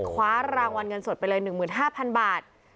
คว้ารางวัลเงินสดไปเลย๑๕๐๐๐บาท